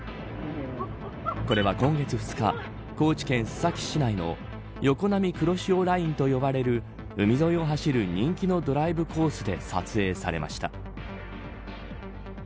これは今月２日高知県須崎市内の横浪黒潮ラインと呼ばれる海沿いを走る人気のドライブコースで撮影されました。